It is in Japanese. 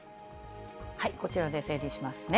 こちらで整理しますね。